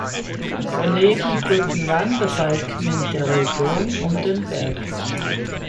Daneben brüten Wanderfalken in der Region um den Berg.